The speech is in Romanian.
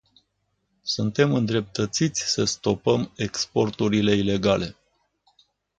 Suntem îndreptățiți să stopăm exporturile ilegale.